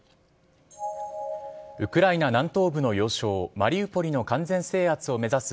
ウクライナ南東部の要衝マリウポリの完全制圧を目指す